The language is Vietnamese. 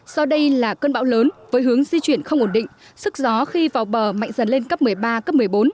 do đây là cơn bão lớn với hướng di chuyển không ổn định sức gió khi vào bờ mạnh dần lên cấp một mươi ba cấp một mươi bốn